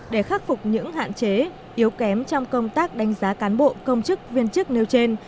để khắc phục những hạn chế yếu kém trong công tác đánh giá cán bộ công chức viên chức nêu trên